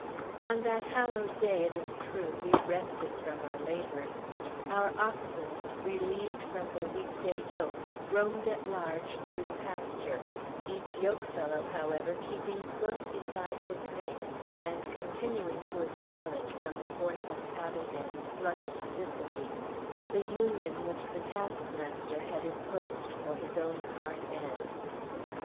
On that hallowed day, it is true, we rested from our labors. Our oxen, relieved from their week day yoke, roamed at large through the pasture; each yoke fellow, however, keeping close beside his mate, and continuing to acknowledge, from the force of habit and sluggish sympathy, the union which the taskmaster had imposed for his own hard ends.